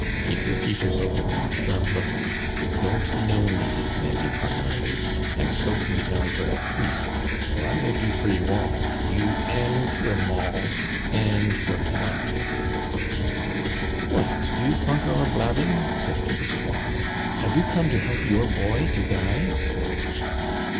Keep your peepers open and a sharp lookout. Don't know me, Nanty parnarly, and soap me down for a priest, or I will do for you all, you and your molls and your blunt." "What, do you funk our blabbing?" said Fil de Soie. "Have you come to help your boy to guy?"